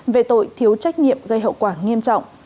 về tội thiếu trách nhiệm gây hậu quả nghiêm trọng